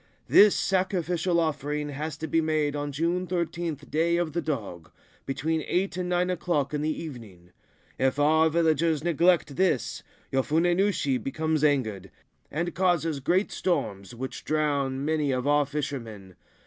This sacrificial offering has to be made on June 13, Day of the Dog, between eight and nine o'clock in the evening. If our villagers neglect this, Yofune Nushi becomes angered, and causes great storms, 104 A Story of Oki Islands Which drown many of our fishermen.